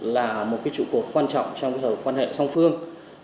là một trụ cột quan trọng trong quan hệ song phương